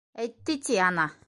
- Әйтте, ти, ана.